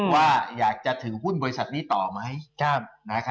ว่าอยากจะถือหุ้นบริษัทนี้ต่อไหม